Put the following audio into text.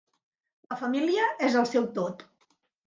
La família és el seu tot.